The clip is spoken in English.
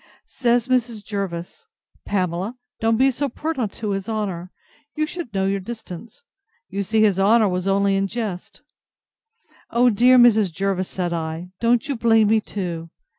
Says Mrs. Jervis, Pamela, don't be so pert to his honour: you should know your distance; you see his honour was only in jest.—O dear Mrs. Jervis, said I, don't you blame me too.